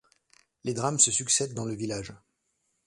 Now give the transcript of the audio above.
Les drames se succèdent dans le village.